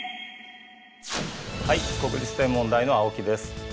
はい国立天文台の青木です。